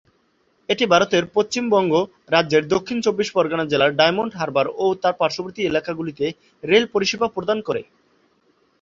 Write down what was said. এটি ভারতের পশ্চিমবঙ্গ রাজ্যের দক্ষিণ চব্বিশ পরগনা জেলার ডায়মন্ড হারবার ও তার পার্শ্ববর্তী এলাকাগুলিতে রেল পরিষেবা প্রদান করে।